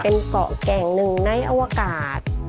เป็นเกาะแก่งหนึ่งในอวกาศ